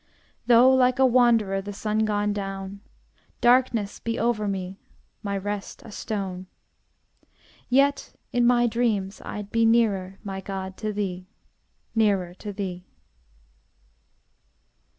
Though, like a wanderer, The sun gone down, Darkness be over me, My rest a stone; Yet in my dreams I'd be Nearer, my God, to thee, Nearer to thee!